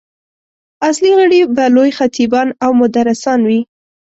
اصلي غړي به لوی خطیبان او مدرسان وي.